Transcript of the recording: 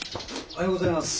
おはようございます。